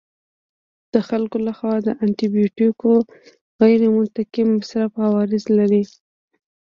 د خلکو لخوا د انټي بیوټیکو غیرمنطقي مصرف عوارض لري.